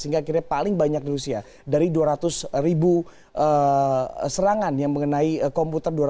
sehingga akhirnya paling banyak di rusia dari dua ratus ribu serangan yang mengenai komputer